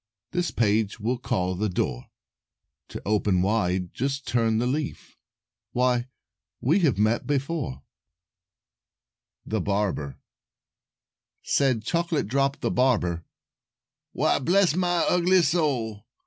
This page we'll call the door. To open wide, just turn the leaf. Why, we have met before! [Illustration: Introduction] THE BARBER Said Chocolate Drop the Barber, "Why, bless my ugly soul!